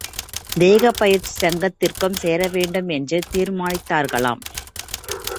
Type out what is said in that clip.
தேகப்பயிற்சி சங்கத்திற்கும் சேர வேண்டும் என்று தீர்மானித்தார்களாம்.